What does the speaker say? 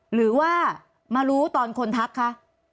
หรือว่ามารู้ตอนคนทักคะ